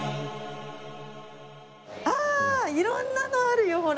ああ色んなのあるよほら。